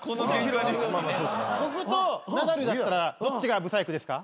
僕とナダルだったらどっちが不細工ですか？